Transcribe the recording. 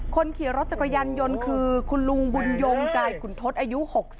คนขี่รถจักรยานยนต์คือคุณลุงบุญยงกายขุนทศอายุ๖๐